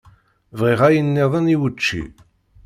Bɣiɣ ayen-nniḍen i wučči.